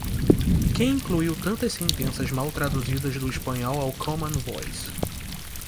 Quem incluiu tantas sentenças mal traduzidas do espanhol ao Common Voice?